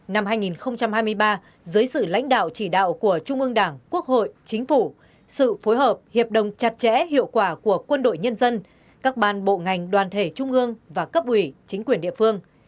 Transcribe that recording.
năm hai nghìn hai mươi ba dưới sự lãnh đạo chỉ đạo của trung ương đảng quốc hội chính phủ sự phối hợp hiệp đồng chặt chẽ hiệu quả của quân đội nhân dân các ban bộ ngành đoàn thể trung ương và cấp ủy chính quyền địa phương